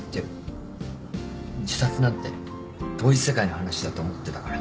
自殺なんて遠い世界の話だと思ってたから。